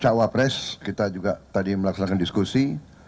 cawa pres kita juga tadi melaksanakan diskusi